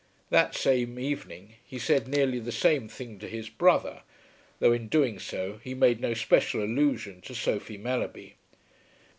That same evening he said nearly the same thing to his brother, though in doing so he made no special allusion to Sophie Mellerby.